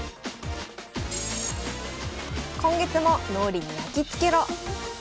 今月も「脳裏にやきつけろ！」。